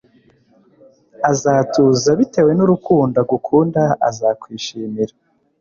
azatuza bitewe n urukundo agukunda azakwishimira